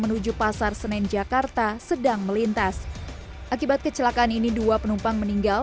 menuju pasar senen jakarta sedang melintas akibat kecelakaan ini dua penumpang meninggal